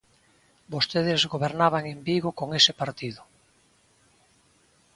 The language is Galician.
Vostedes gobernaban en Vigo con ese partido.